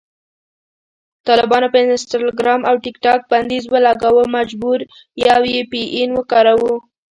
طالبانو په انسټاګرام او ټیکټاک بندیز ولګاوو، مجبور یو وي پي این وکاروو